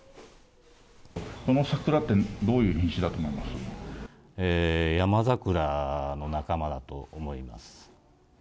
この桜ってどういう品種だとヤマザクラの仲間だと思いま